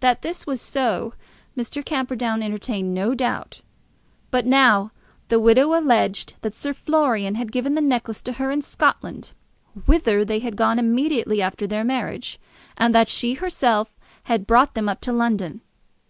That this was so Mr. Camperdown entertained no doubt. But now the widow alleged that Sir Florian had given the necklace to her in Scotland, whither they had gone immediately after their marriage, and that she herself had brought them up to London.